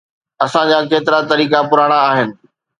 اسان جا ڪيترائي طريقا پراڻا آھن.